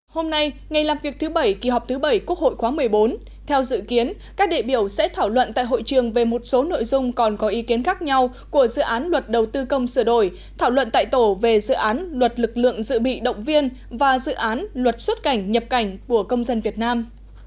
hôm nay ngày làm việc thứ bảy kỳ họp thứ bảy quốc hội khóa một mươi bốn theo dự kiến các đệ biểu sẽ thảo luận tại hội trường về một số nội dung còn có ý kiến khác nhau của dự án luật đầu tư công sửa đổi thảo luận tại tổ về dự án luật lực lượng dự bị động viên và dự án luật xuất cảnh nhập cảnh của công dân việt nam